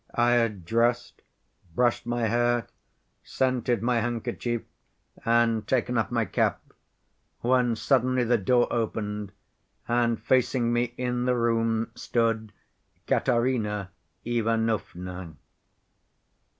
I had dressed, brushed my hair, scented my handkerchief, and taken up my cap, when suddenly the door opened, and facing me in the room stood Katerina Ivanovna.